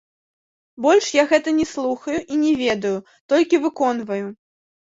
Больш я гэта не слухаю і не ведаю, толькі выконваю.